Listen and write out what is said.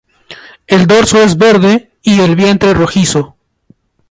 El dorso es verde y el vientre rojizo.